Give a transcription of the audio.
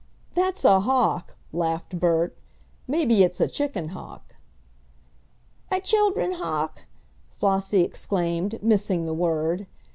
"That's a hawk!" laughed Bert; "maybe it's a chicken hawk." "A children hawk!" Flossie exclaimed, missing the word.